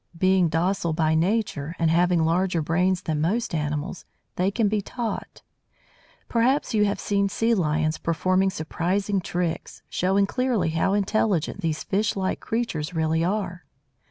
Being docile by nature, and having larger brains than most animals, they can be taught. Perhaps you have seen Sea lions performing surprising tricks, showing clearly how intelligent these fish like creatures really are.